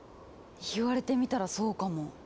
言われてみたらそうかも。